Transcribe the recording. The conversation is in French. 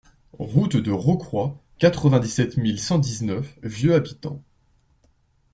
Route de Rocroy, quatre-vingt-dix-sept mille cent dix-neuf Vieux-Habitants